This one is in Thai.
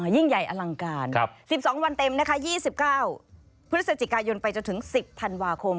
ยิ่งใหญ่อลังการ๑๒วันเต็มนะคะ๒๙พฤศจิกายนไปจนถึง๑๐ธันวาคม